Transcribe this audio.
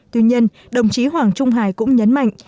tuy nhiên đồng chí hoàng trung hải cũng nhấn mạnh